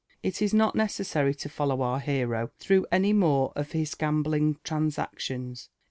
It is not necessary to follow our hero through any more of his gam ^ btlng transac(ions.